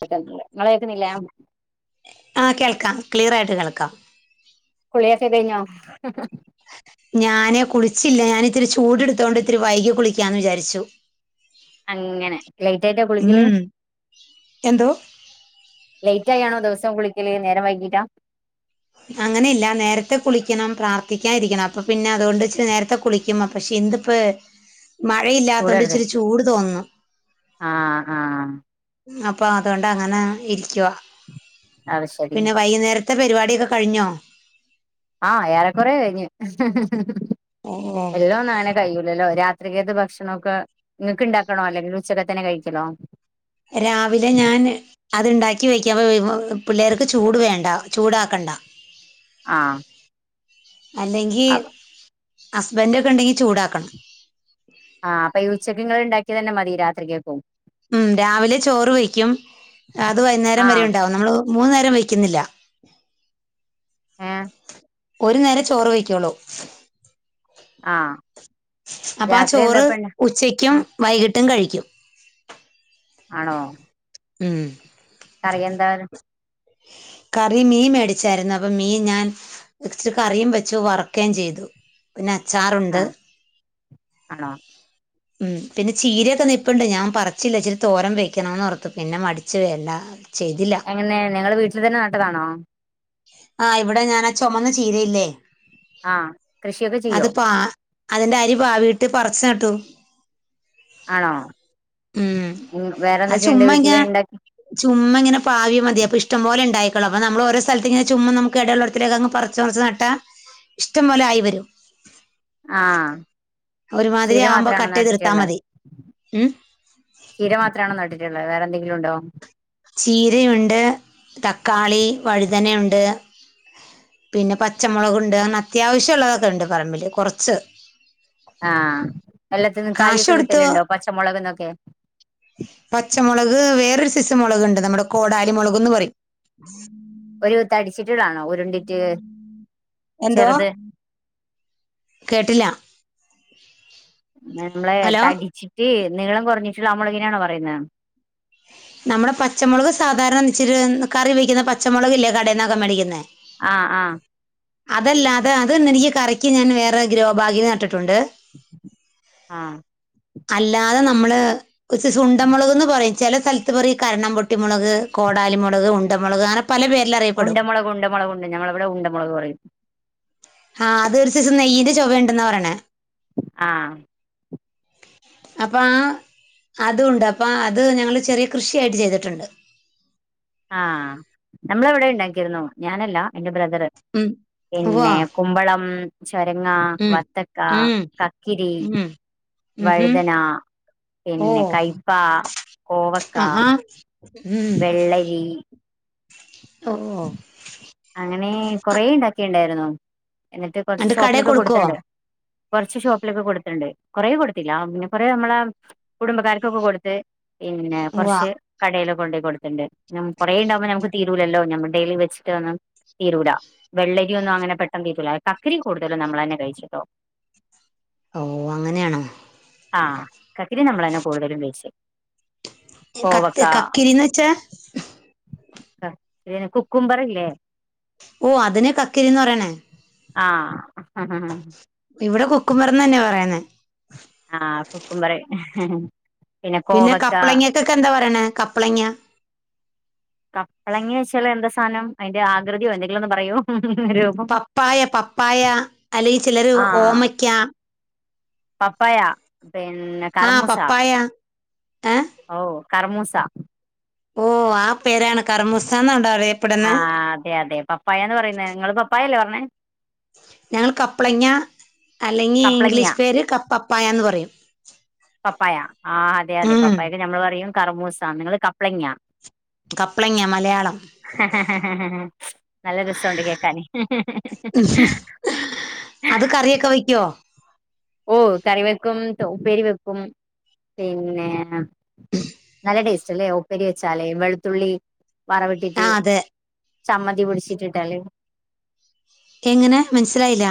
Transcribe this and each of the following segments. [unintelligible] ഇങ്ങള് കേൾക്കുന്നില്ലെ ആഹ് കേൾക്കാം ക്ലിയറ ആയിട്ട് കേൾക്കാം കുളിയക്ക കയ്ഞ്ഞോ ഞാനേ കുളിച്ചില്ല ഞാനൻ ഇത്തിരി ചൂടടുത്തോണ്ട് ഇത്തിരി വൈകി കുളിക്കാന്ന് വിചാരിച്ചു അങ്ങനെ ലേറ്റ് ആയിട്ടാ കുളിക്കല് ഉം എന്തോ ലേറ്റ് ആയി ആണോ ദിവസം കുളിക്കല് നേരം വൈകീട്ടാ അങ്ങനെ ഇല്ല നേരത്തെ കുളിക്കണം പ്രാർത്ഥിക്കാൻ ഇരിക്കണം അപ്പൊ പിന്നെ അതുകൊണ്ട് നേരത്തെ കുള പക്ഷെ ഇന്തിപ്പോ മഴയില്ലാത്ത കൊണ്ട് ചൂടരുത് ഇച്ചിരി ചൂട് തോന്നും ആഹ് ആഹ് അപ്പൊ അതുകൊണ്ട് അങ്ങനെ ഇരിക്കുവ അത് ശരി പിന്നെ വൈന്നേര ത്തെ പരിപാടിയൊക്കെ കഴിഞ്ഞോ ആഹ് ഏറെക്കൊറെ കഴിഞ്ഞു ഓ എല്ലാം നന കയ്യൂല്ലല്ലോ രാത്രികത്തെ ഭക്ഷണോക്കെ ഇങ്ങക്ക് ഇണ്ടാക്കണോ അല്ലെങ്കിൽ ഉച്ചക്കെ തന്നെ കഴിക്കണൊ രാവിലെ ഞാൻ അത്ണ്ടാക്കി വെക്കാ അപ്പൊ പിള്ളേർക്ക് ചൂട് വേണ്ട ചൂടാക്കണ്ട ആഹ് അല്ലെങ്കി ആഹ് ഹസ്ബൻഡ് ഒക്കെ ഉണ്ടെങ്കി ചൂടാക്കണം ആഹ് അപ്പ ഈ ഉച്ചക്ക് ഇങ്ങൾ ഇണ്ടാക്കിയതെന്നെ മതി രാത്രികക്കും ഉം രാവിലെ ചോറ് വയ്ക്കും അത് വൈകുന്നേരം വരെ ആഹ് ഉണ്ടാവും നമ്മള് മൂന്നു നേരം വയ്ക്കുന്നില്ല ഏഹ് ഒരു നേരേ ചോറ് വയ്ക്കുള്ളൂ ആഹ് അപ്പൊ ആഹ് രാത്രി ചോറ് എന്താപ്പണ്ട ഉച്ചക്കും ആഹ് വൈകിട്ടും കഴിക്കും ആണോ ഉം കറിയെന്താണ്. കറി മീൻ മേടിച്ചായിരുന്നു. അപ്പം മീൻ ഞാൻ. കൊറച് കറിയും വെച്ചു വറക്കേം ചെയ്തു പിന്നെ അച്ചാറുണ്ട്. ആഹ് ആണോ ഉം പിന്നെ ചീരയൊക്കെ നിപ്പുണ്ട് ഞാൻ പറിച്ചില്ല ഇച്ചിരി തോരൻ വെയക്കണോന്നോഓർത്തു പിന്നെ മടച്ച് വേണ്ട. ചെയ്തില്ല. എങ്ങനെ നിങ്ങള് വീട്ടിൽ തന്നെ നട്ടതാണോ? ആഹ ഇവിടെ ഞാൻ ആ ചൊമന്ന ചീരയില്ലേ ആഹ് കൃഷിയൊക്കെ ചെയ്യോ അത് പാ അതിന്റെ അരി പാവീട്ട് പറിച്ച് നട്ടു. ആണോ ഉം വേറെ എന്തൊക്കെയുണ്ട് വീട്ടില് ഇണ്ടകി. ചുമ്മാങ്ങനെ പാവ്യാ മതി അപ്പൊ ഇഷ്ടം പോല ഇണ്ടായിക്കോളും. അപ്പൊ നമ്മൾ ഓരോ സ്ഥലത്തി ഇങ്ങനെ ചുമ്മാ നമുക്ക് എട ഇള്ളോട്ത്തിലോക്ക അങ്ങ് പറിച്ച്റിച്ച് നട്ടാ ഇഷ്ടം പോലെ ആയി വരും. ആഹ് ഒരുമാതിരി ചീര ആവുമ്പോ മാത്രാണോ കട്ട് ചെയ്തെടുത്താ നട്ടിട്ടുള്ളേ? മതി ഉം ചീര മാത്രമാണോ നട്ടിട്ടുള്ളേ വേറെന്തെങ്കിലും ഉണ്ടോ? ചീരയുണ്ട്, തക്കാളി, വഴുതനയുണ്ട്. പിന്നെ പച്ചമുളകുണ്ട് അങ്ങനെ അത്യാവശ്യം ഉള്ളതൊക്കെ ഉണ്ട് പറമ്പില്. കുറച്ച് ആഹ് എല്ലാത്തിന്നും കാശ് കായൊക്കെ കൊടുത്തു കിട്ടലുണ്ടോ പച്ചമുളക്ന്നൊക്കെ? പച്ചമുളക് വേറൊരു സിസം മുളകുണ്ട് നമ്മള് കോടാലി മുളക്ന്ന് പറയും. [inaudible] ഒരുത്ത് അടിച്ചിട്ട്ളാണോ ഉരുണ്ടിട്ട് എന്തോ ചെറുത്. കേട്ടില്ല. നമ്മളേ ഹലോ തടിച്ചിട്ട് നീളം കുറഞ്ഞിട്ടുള്ള ആ മൊളകിനെയാണോ പറയുന്നേ. നമ്മുടെ പച്ചമുളക് സാധാരണ ഇച്ചിരി കറി വെിക്കുന്ന പച്ചമുളകിലേ കടയിൽന്നൊക്കെ മേടിക്കുന്ന. ആ ആ അതല്ല അത് എത്നനിച്ച എനിക്ക് കറിയ്ക്ക് ഞാൻ വേറെ ഗ്രോ ഭാഗിൽ നട്ടിട്ടുണ്ട്. ആഹ്. അല്ലാതെ നമ്മള് കൊസ് സുണ്ടമുളക്ന്ന് പറയും. ചില സ്ഥലത്ത് പറയും. ഈ കരണം പൊട്ടി മുളക്, കോടാലി മുളക്, ഉണ്ട മുളക്, അങ്ങനെ പല പേരിൽ അറിയ ഉണ്ടമുളകുണ്ട് മുളകുണ്ട് ഞങ്ങളിവിടെ ഉണ്ടമുളക് പറയും. ആഹ അത് ഒരു ദിവസം നെയ്യിന്റെ ചൊവയണ്ടന്നാ പറയണെ. ആഹ് [inaudible] അപ്പം ആഹ് അതും ഉണ്ട് അപ്പ അത് ഞങ്ങള് ചെറിയ കൃഷിയായിട്ട് ചെയ്തിട്ടുണ്ട്. ആഹ് നമ്മൾ അവിടെ ഉണ്ടാക്കിയിരുന്നു. ഞാനല്ല എന്റെ ബ്രദറ്. ഉം വാ പിന്നെ കുമ്പളം, ചരങ്ങ, ഉം മത്തക്ക, ഉം കക്കരി ഉം ഉം വഴുതന, ഓ പിന്നെ കയ്പ്പാ, കോവക്ക. ആഹാ ഉം വെള്ളരി ഓ അങ്ങനെ കൊറേ ഉണ്ടാക്കിണ്ടായിരുന്നു. എന്നിട്ട് കൊറച്ച് അണ്ട് കടയിൽ ഷോപ്പിലൊക്കെ കൊടുക്കുവോ കൊടുത്തിണ്ട്. കുറച്ച് ഷോപ്പിലൊക്കെ കൊടുത്തിട്ടുണ്ട്. കൊറേ കൊടുത്തില്ല പിന്നെ കൊറേ നമ്മളെ കുടുംബക്കാർക്കൊക്കെ കൊടുത്ത്. പിന്നെ വാ കുറച്ച്. കടയിലൽ കൊണ്ട് പോയി കൊടുത്തിണ്ട്. കുറേ ഉണ്ടാവുമ്പോ നമുക് തീരുലല്ലോ. നമ്മ ഡെയിലി വെച്ചട്ട് ഒന്നും തീരൂല വെള്ളരിയ ഒന്നും അങ്ങനെ പെട്ടെന്ന് തീരുല. കക്കരി കൂടുതലും നമ്മൾ തന്നെ കഴിച്ചിട്ടോ. ഓ അങ്ങനെയണോ ആഹ് കക്കരി നമ്മളന്നെ കൂടുതലും കഴിച്ചേ. കോവക്ക, കത്ത് കക്കിരിന്ന് വെച്ചാ കുക്കുമ്പർ, ഇല്ലേ ഓ അതിനെ കക്കരിന്ന് പറയണേ. ആഹ് ഇവിടെ കുക്കുബറന്ന് തന്നെ പറയുന്നേ. ആഹ് കുക്കുമ്പർ പിന്നെ കപ്പ്ളങ്ങക്കൊക്കെ എന്താ പറയണ കപ്പ്ളങ്ങ കപ്പളങ്ങ വെച്ചാൽ എന്താ സാധനം അതിന്റെ ആകൃതിയോ എന്തെങ്കിലുംന്ന് പറയോ പപ്പായ പപ്പായ അല്ലെങ്കിൽ ചിലർ ആഹ് ഓമയ്ക്ക പപ്പായ പിന്നെ ആ കർമൂസ പപ്പായ ഏ ഓഹ് കർമൂസ ഓ ആ പേരാണ് കർമുസാന്നണ്ട അറിയപ്പെടുന്നെ ആഹ് അതെ അതെ പപ്പായന്ന് പറയുന്ന നിങ്ങള് പപ്പായല്ലേ പറഞ്ഞേ ഞങ്ങള് കപ്പളങ്ങ അല്ലെങ്കി കപ്ലങ്ങ ഇംഗ്ലീഷ് പേര് കപ്പപ്പായന്ന് പറയും പപ്പായ ആഹ് അതെ അതെ ഉം പപ്പായൊക്കെ നമ്മൾ പറയും കറമൂസ നിങ്ങള് കപ്പളങ്ങ കപ്പളങ്ങ മലയാളം ആഹ ഹ ഹ നല്ല രസ ഉണ്ട് കേക്കാനേ അത് കറിയൊക്കെ വയ്ക്കുവോ ഓ കറി വെക്കും ഉപ്പേരി വെക്കും പിന്നെ നല്ല ടേസ്റ്റ് അല്ലേ ഉപ്പരി വെച്ചാലേ വെളുത്തുള്ളി ആ വറവിട്ടിട്ട് അതെ ചമ്മതി പിടിച്ചിട്ടിട്ടാല് എങ്ങനെ മനസ്സിലായില്ല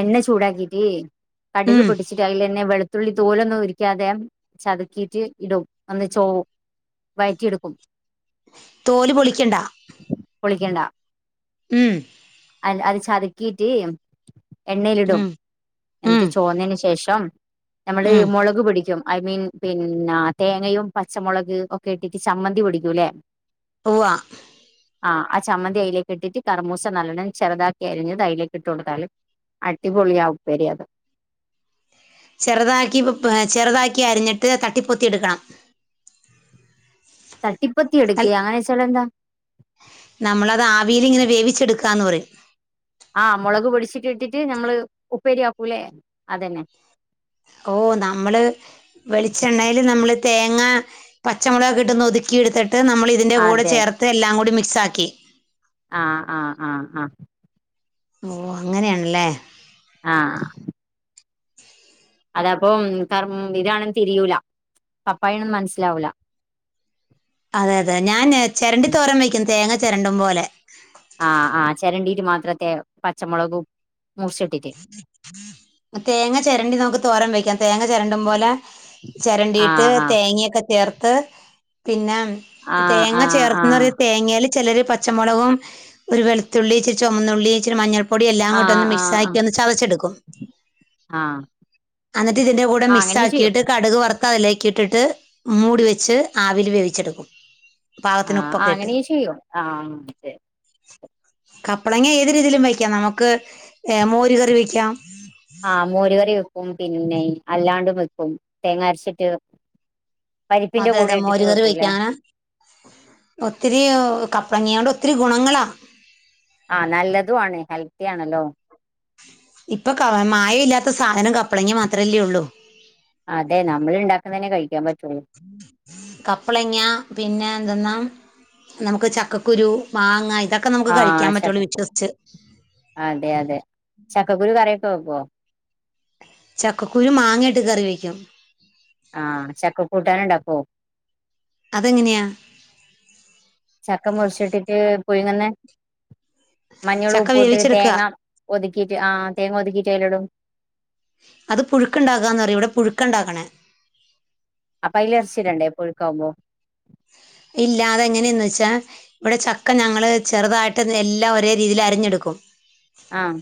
എണ്ണ ചൂടാക്കീട്ട് കടുക് ഉം പൊടിച്ചിട്ട് അതിലെ വെളു വെളുതുള്ളി തോലൊന്നും ഉരിക്കാതെ ചതക്കിയിട്ട് ഇടും അന്ന് ചോവും വഴറ്റിയെടുക്കും തോല് പൊളിക്കണ്ട പൊളിക്കണ്ട ഉം അ അത് ചതക്കിയിട്ട് എണ്ണയിലിടും ഉം ഉം എന്നിട്ട് ചോന്നതിന് ശേഷം നമ്മള് ഉം മുളക് പിടിക്കും ഐ മീൻ പിന്നെ തേങ്ങയും പച്ചമുളക് ഇട്ടിട്ട് ചമ്മന്തി പൊടിക്കൂല്ലേ ഓഹ് ആഹ് ചമ്മന്തി അയിലേക് ഇട്ടിട്ട് കറമൂസ നല്ലണ്ണം ചെറുതാക്കി അരിഞ്ഞത് അതിലേക്ക് ഇട്ട് കൊടുത്താൽ അടിപൊളിയ ഉപ്പരിയത് ചെറുതാക്കി ചെറുതാക്കി അരിഞ്ഞിട്ട് തട്ടിപ്പൊത്തി എടുക്കണം തട്ടിപ്പത്തി അൽ എടുക്കെ അങ്ങനെ വെച്ച എന്താ നമ്മളത് ആവിൽ ഇങ്ങനെ വേവിച്ചെടുക്കാന്ന് പറയും ആഹ് മുളക് പൊടിച്ചിട്ട് നമ്മള് ഉപ്പേരിയാക്കൂലേ അതന്നെ ഓ നമ്മള് വെളിച്ചെണ്ണയില് നമ്മള് തേങ്ങ പച്ചമുളകക്കെട്ട് ഒന്ന് ഒതുകിയട്ത്തിട്ട് നമ്മള് ഈ ഇതിന്റെ കൂടെ അതെ അതെ ചേർത്ത് എല്ലാം കൂടി മിക്സാക്കി ആ ആ ആ ആ ഓഹ് അങ്ങനെയാണല്ലേ ആഹ് അഹ് അതാപ്പം കർ ഇതാണെന്ന് തിരിയൂല പപ്പായെണെന്ന് മനസ്സിലാവൂല. അതെ അതെ ഞാന് ചെരണ്ടി തോരൻ വെക്കും തേങ്ങ ചെരണ്ടും പോലെ. ആഹ് അഹ് ചെരണ്ടീട്ട് മാത്രത്തെ പച്ചമൊളകും മുറിച്ചിട്ട് തേങ്ങ ചെരണ്ടി നമുക്ക് തോരം വെക്കാം തേങ്ങ ചെരണ്ടും പോലെ ആ ചെരണ്ടീട്ട് ആ തേങ്ങയൊക്കെ ചേർത്ത് പിന്നെ ആ തേങ്ങ ആ ആ ചേർത്ത്ന്നറയ് തേങ്ങേല് ചെലര് പച്ചമുളകും ഒരു വെളുത്തുള്ളി ഇച്ചിരി ചൊമന്നുള്ളി ഇച്ചിരി മഞ്ഞൾ പൊടി എല്ലാം ആ ആ കൂട്ടി ഒന്ന് ആ മിക്സാ ചതച്ചെടുക്കും ആ അന്നിട്ട് ഇതിന്റെ കൂടെ ആ അങ്ങനെ ചെയ്യോ മിക്സാക്കിയിട്ട് കടുക് വറുത്ത അതിലേക്കി ഇട്ടിട്ട് മൂടി വെച്ച് ആവിൽ വേവിച്ചെടുക്കും പാകത്തിന് ആഹ് ഉപ്പൊക്കെ ഇട്ട് അങ്ങനിം ചെയ്യും ആഹ് അതെ കപ്പളങ്ങ ഏത് രീതിയിലും വയ്ക്കാം നമുക്ക് ഏഹ് മോരി കറി വെക്കാം. ആഹ് മോരുകറി വെക്കും പിന്നെ അല്ലാണ്ടും വെക്കും തേങ്ങ അരച്ചിട്ട് പരിപ്പിന്റെ അതെ അതെ കൂടെ മോര് ഇട്ടിട്ട് കറി വെക്കൂലേ വെക്കാനാ ഒത്തിരി ഹോ കപ്ലടങ്ങ്യോണ്ടൊത്തിരി ഗുണങ്ങളാ ആഹ് നല്ലതും ആണ് ഹെൽത്തി ആണല്ലോ ഇപ്പൊ ക മായ ഇല്ലാത്ത സാധനം കപ്പളങ്ങ്യ മാത്രല്ലേ ഉള്ളൂ. അതെ നമ്മൾ ഇണ്ടാക്കുന്നതന്നെ കഴിക്കാൻ പറ്റൊള്ളൂ കപ്ലങ്ങാ പിന്നെ എന്തെന്നാ നമുക്ക് ചക്കക്കുരു മാങ്ങ ഇതൊക്കെ നമുക്ക് കഴിക്കാൻ ആഹ് പറ്റുള്ളൂ ചക്ക വിശ്വസിച്ച് അതെ അതെ ചക്കക്കുരു കറിക്കെ വെക്കോ ചക്കക്കുരു മാങ്ങിയിട്ട് കറി വെക്കും ആഹ് ചക്ക കൂട്ടാന് ഇണ്ടാക്കോ അതെങ്ങനെയാ ചക്കം മുറിച്ചിട്ടിട്ട് പുഴങ്ങുന്നെ മഞ്ഞളു ചക്ക ഉപ്പ് ഇട്ട് വേവിച്ചെടുക്കുക തേങ്ങ ഒതുക്കീട്ട് ആഹ് തേങ്ങ ഒതുക്കീട്ട് അയിലിടും. അത് പുഴുക്ക്ണ്ടാകാന്നറിയുംഇവിടെ പുഴക്കണ്ടാക്കണേ അപ്പ അയി എർച്ചിടണ്ടേ പഴക്കാവുമ്പോ. ഇല്ലാ അതെങ്ങനെയെന്ന് വെച്ചാ ഇവിടെ ചക്ക ഞങ്ങള് ചെറുതായിട്ട് എല്ലാ ഒരേ രീതിയിൽ അരിഞ്ഞെടുക്കും ആഹ്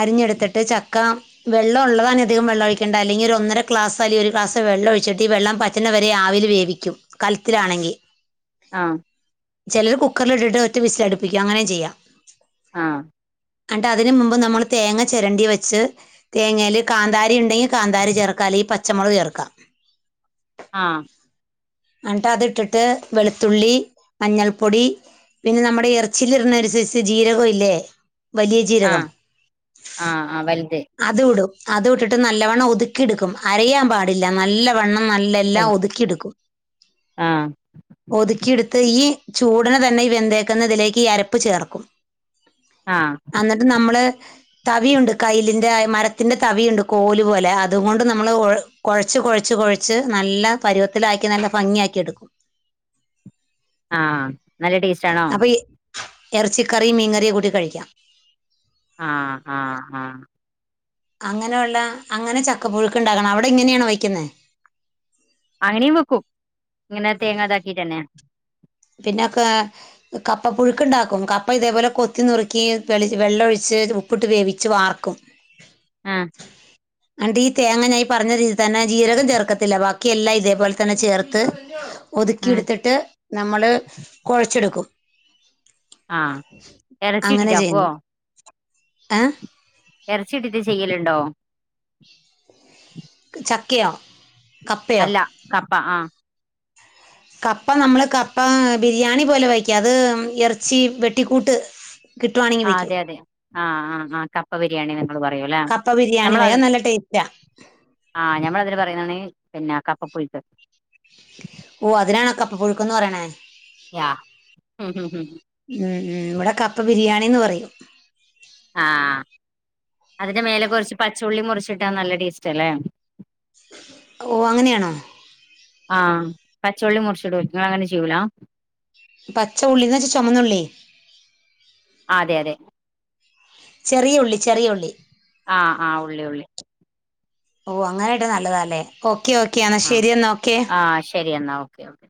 അരിഞ്ഞെടുത്തിട്ട് ചക്ക വെള്ളഉള്ളതാണങ്കി അധികം വെള്ള ഒഴിക്കണ്ട അല്ലെങ്കി ഒന്നര ക്ലാസ് അല്ലങ്കി ഒരു ക്ലാസ് വെള്ള ഒഴിച്ചിട്ട് ഈ വെള്ളം പ റ്റ്ണെ വരെ ആവില് വേവിക്കും കലത്തിലാണെങ്കി ആഹ് ചിലർ കുക്കറിലിട്ട്ട്ട് ഒറ്റ വിസ് ലാടിപ്പിക്കും അങ്ങനിം ചെയ്യാം. ആഹ് അൺട്ട് അതിന് മുമ്പ് നമ്മള് തേങ്ങ ചെരണ്ടി വെച്ച് തേങ്ങേല് കാന്താരി ഉണ്ടെങ്കി കാന്താരി ചേർക്കാ അല്ലെങ്കി പച്ചമുളക് ചേർക്കാ ആഹ് അൺ ട്ട് അത് ഇട്ടിട്ട് വെളുത്തുള്ളി മഞ്ഞൾപ്പൊടി പിന്നെ നമ്മടെ ഈ എർച്ചീല്ട്ണ ഒരു സൈസ് ജീരകം ഇല്ലേ വലിയ ആ ജീരകം ആ ആ വലുത് അത് വിടും അത് ഇട്ടിട്ട് നല്ലവണ്ണം ഒതുക്കി എടുക്കും അരയാൻ പാടി ടില്ല നല്ല വെണ്ണം നല്ല എല്ലാം ഒതുക്കി എടുക്കും ആഹ് ഒതുക്കി ഇടുത്ത് ഈ ചൂടിന് തന്നെ ഈ വെന്തേക്കുന്ന ഇതിലേക്ക് ഈ അരപ്പ് ചേർക്കും. ആഹ് അന്നിട്ട് നമ്മള് തവിയുണ്ട് കയിലിന്റെ മരത്തിന്റെ തവിയുണ്ട് കോലു പോലെ അതുകൊണ്ട് നമ്മള് ഒഴ് കുഴച്ച് കുഴച്ച് കുഴച്ച് നല്ല പരുവത്തിലാക്കി നല്ല ഭംഗിയാക്കിയെടു ആഹ് നല്ല ടേസ്റ്റ് ആണോ അപ്പൊ ഈ ഇറച്ചിക്കറിയും മീൻകറിയും കൂട്ടി കഴിക്കാം. ആഹ് ആഹ് ആഹ് അങ്ങനെയുള്ള അങ്ങനെ ചക്ക പുഴുക്ക്‌ ഉണ്ടാകണം അവിടെ ഇങ്ങനെയാണോ വയ്ക്കുന്നെ അങ്ങനെയും വെക്കും ഇങ്ങനെ തേങ്ങാതാക്കീട്ടന്നെ പിന്നൊക്കെ കപ്പ പുഴുക്കുണ്ടാക്കും കപ്പ ഇതേപോലെ കൊത്തി നുറുക്കി വെളിച്ച് വെള്ളഒഴിച്ച് ഉപ്പിട്ട് വേവിച്ച് വാർക്കും [inaudible] ആഹ് അനിട്ട് ഈ തേങ്ങ ഞാ ഈ പറഞ്ഞ രീതിയിൽ തന്നെ ജീരകം ചേർക്കത്തില്ല ബാ ക്കിയെല്ലാം ഇതേപോലെ തന്നെ ചേർത്ത് ആ ഒതുക്കിയെടുത്തിട്ട് നമ്മള് കുഴച്ചെടുക്കും ആ ഇറച്ചി അങ്ങനെ ഇട്ടിട്ടാക്കുവോ ചെയ്യുന്നെ ഏഹ് ഇറച്ചിട്ടിട്ട് ചെയ്യലുണ്ടോ ചക്കയോ കപ്പയോ അല്ല കപ്പ ആഹ് കപ്പ നമ്മൾ കപ്പ ബിരിയാണി പോലെ വക്കും അത് ഇറച്ചി വെട്ടിക്കൂട്ട് [inaudible] ആഹ് വെക്കും അതെ അതെ ആഹ് ആഹ് ആഹ് കപ്പ ബിരിയാണി എന്നങ്ങൾ പറയൂ അല്ലേ കപ്പ ബിരിയാണി വയാ നല്ല ടേസ്റ്റാ ആഹ് ഞമ്മള അതിന് പറയ്ണാണ് പിന്നെ കപ്പപുഴുക്ക് ഓഹ് അതിനാണാ കപ്പ പുഴുക്ക്‌ന്ന് പറയണേ യാ ഉം ഉം ഉം ഉം ഉം ഇവിടെ കപ്പ ബിരിയാണിന്ന് പറയും. ആഹ് അതിന്റെ മേലെ കുറച്ച് പച്ചുള്ളി മുറിച്ചിട്ടാ നല്ല ടേസ്റ്റ് അല്ലേ ഓഹ് അങ്ങനെയാണോ ആഹ് പച്ചൊള്ളി മുറിച്ചിടും ങ്ങളങ്ങനെ ചെയ്യൂലാ പച്ച ഉള്ളിന്ന് വെച്ച ചുമന്നുള്ളീ അതെ അതെ ചെറിയ ഉള്ളി ചെറിയ ഉള്ളി ആഹ് ആഹ് ഉള്ളി ഉള്ളി ഓഹ് അങ്ങനെയിട്ടാ നല്ലതാല്ലേ ഓക്കെ ഓക്കെ എന്നാ ആഹ് ശരിയന്നാ ഓക്കെ ആഹ് ശരി എന്നാ ഓ ക്കെ ഓക്കെ